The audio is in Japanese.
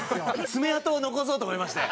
爪痕を残そうと思いまして。